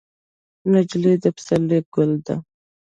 نجلۍ د پسرلي ګل ده.